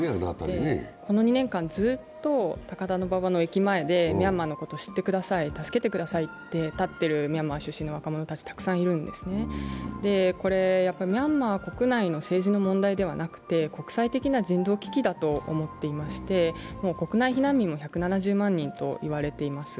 この２年間ずっと高田馬場の駅前で、ミャンマーのことを知ってください、助けてくださいと言ってっている若者がたくさんいるんですね、ミャンマー国内の問題ではなくて国際的な人道危機だと思っていまして、国内避難民も１７０万人といわれてます。